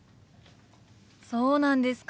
そうなんですか。